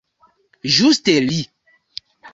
Ĝuste li!